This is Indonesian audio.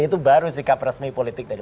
itu baru sikap resmi politik dari